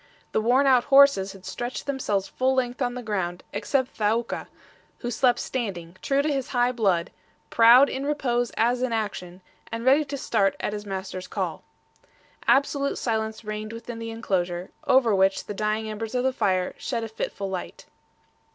The worn out horses had stretched themselves full length on the ground, except Thaouka, who slept standing, true to his high blood, proud in repose as in action, and ready to start at his master's call. Absolute silence reigned within the inclosure, over which the dying embers of the fire shed a fitful light.